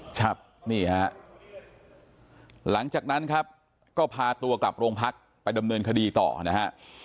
ครับนี่ฮะหลังจากนั้นครับก็พาตัวกลับโรงพักไปดำเนินคดีต่อนะฮะ